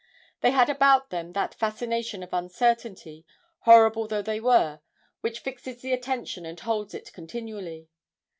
They had about them that fascination of uncertainty, horrible though they were, which fixes the attention and holds it continually.